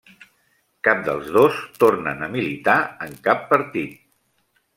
Cap dels dos tornen a militar en cap partit.